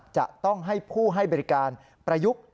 จะต้องให้ผู้ให้บริการประยุกต์